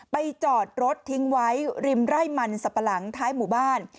จอดรถทิ้งไว้ริมไร่มันสับปะหลังท้ายหมู่บ้าน